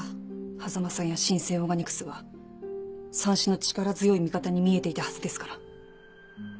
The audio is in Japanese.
波佐間さんや神饌オーガニクスはさんしの力強い味方に見えていたはずですから。